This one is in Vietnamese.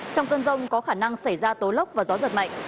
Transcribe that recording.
trong cơn rông có khả năng xảy ra tố lốc và gió giật mạnh